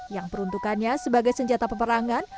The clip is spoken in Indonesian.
yang peruntukannya sebagai senjata peperangan